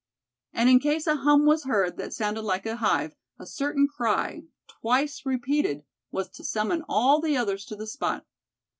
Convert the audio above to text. And in case a hum was heard that sounded like a hive, a certain cry, twice repeated, was to summon all the others to the spot.